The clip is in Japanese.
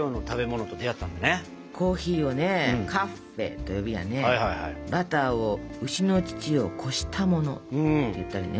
コーヒーを「カッフェー」と呼びやねバターを「牛の乳をこしたもの」っていったりね。